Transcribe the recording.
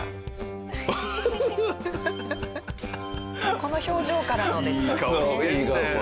この表情からのですからね。